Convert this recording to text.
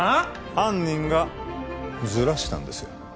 犯人がずらしたんですよ